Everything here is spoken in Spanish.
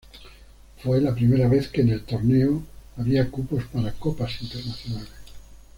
Fue la primera vez que en el Torneo había cupos para Copas Internacionales.